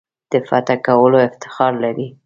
د فتح کولو افتخار لري.